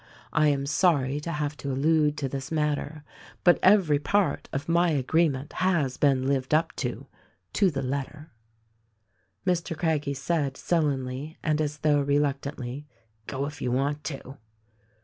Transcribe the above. I am sorry to have to allude to this matter; but every part of my agreement has been lived up to, — to the letter." Mr. Craggie said sullenly, and as though reluctantly, "Go, if you want to."